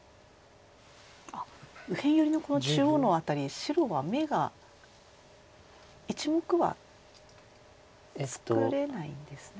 あっ右辺寄りのこの中央の辺り白は眼が１目は作れないんですね。